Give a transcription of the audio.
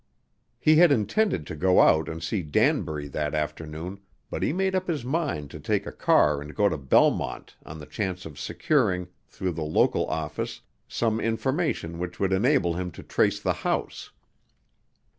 He had intended to go out and see Danbury that afternoon, but he made up his mind to take a car and go to Belmont on the chance of securing, through the local office, some information which would enable him to trace the house.